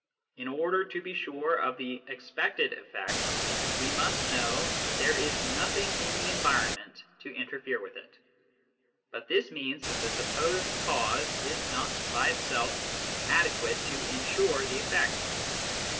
In order to be sure of the expected effect, we must know that there is nothing in the environment to interfere with it. But this means that the supposed cause is not, by itself, adequate to insure the effect.